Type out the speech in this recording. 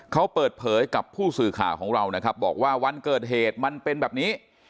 เขาเปิดเผยกับผู้สื่อข่าวของเรานะครับบอกว่าวันเกิดเหตุมันเป็นแบบนี้